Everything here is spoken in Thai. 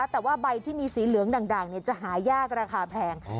แต่ว่าใบที่มีสีเหลืองด่างจะหายากราคาแพง